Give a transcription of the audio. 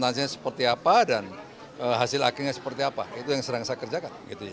nantinya seperti apa dan hasil akhirnya seperti apa itu yang sedang saya kerjakan